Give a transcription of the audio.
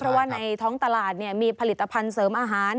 เพราะว่าในท้องตลาดมีผลิตภัณฑ์เสริมอาหาร